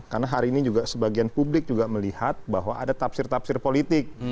karena hari ini juga sebagian publik juga melihat bahwa ada tafsir tafsir politik